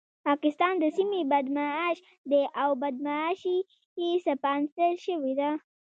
پاکستان د سيمې بدمعاش دی او بدمعاشي يې سپانسر شوې ده.